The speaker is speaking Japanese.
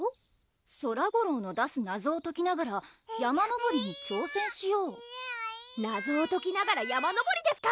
「ソラ吾郎の出す謎を解きながら山登りに挑せんしよう」謎をときながら山登りですか！